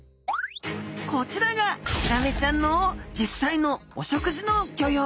こちらがヒラメちゃんの実際のお食事のギョ様子。